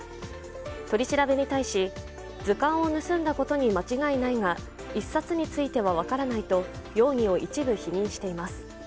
取り調べに対し図鑑を盗んだことに間違いないが１冊については分からないと、容疑を一部否認しています。